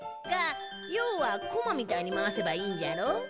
がようはこまみたいに回せばいいんじゃろ？